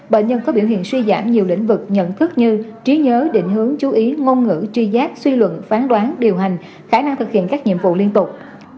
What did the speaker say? bệnh nhân có biểu hiện suy giảm nhiều lĩnh vực nhận thức như trí nhớ định hướng chú ý ngôn ngữ truy giáp suy luận phán đoán điều hành khả năng thực hiện các nhiệm vụ liên tục